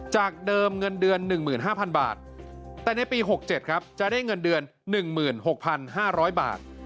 จากเดิมเงินเดือน๑๕๐๐๐บาทแต่ในปี๖๗ครับจะได้เงินเดือน๑๖๕๐๐บาท